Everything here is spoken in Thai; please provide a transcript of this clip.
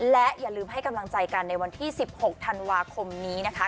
และอย่าลืมให้กำลังใจกันในวันที่๑๖ธันวาคมนี้นะคะ